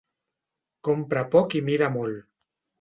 Compra poc i mira molt.